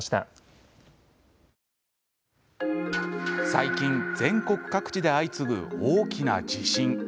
最近、全国各地で相次ぐ大きな地震。